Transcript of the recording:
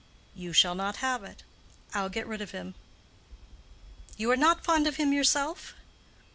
"You shall not have it. I'll get rid of him." "You are not fond of him yourself?"